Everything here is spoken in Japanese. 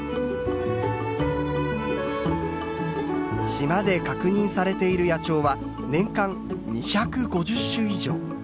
島で確認されている野鳥は年間２５０種以上。